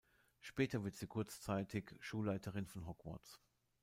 Später wird sie kurzzeitig Schulleiterin von Hogwarts.